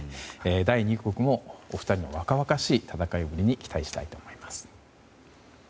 第２局もお二人の若々しい戦いぶりに期待したいと思います。